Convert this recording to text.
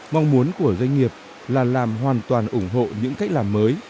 mong muốn của doanh nghiệp là làm hoàn toàn ủng hộ những cách làm mới